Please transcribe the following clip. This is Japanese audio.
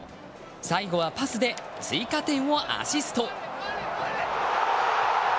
最後はパスで追加点をアシスト。